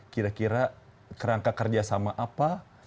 kira kira kerangka kerjasama apa